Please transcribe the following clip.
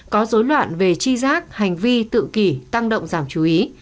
có dối loạn về chi giác hành vi tự kỷ tăng động giảm chú ý